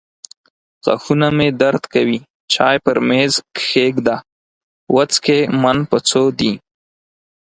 غاښونه مې درد کوي. چای پر مېز کښېږده. وڅکې من په څو دي.